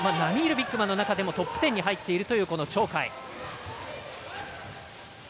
ビッグマンの中でもトップ１０に入っているという鳥海。